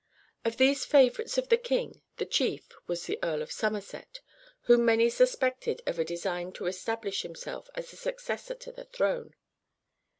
Of these favorites of the king, the chief was the Earl of Somerset, whom many suspected of a design to establish himself as the successor to the throne.